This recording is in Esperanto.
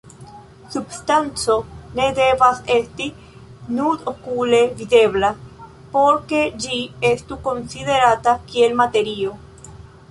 Substanco ne devas esti nud-okule videbla por ke ĝi estu konsiderata kiel materio.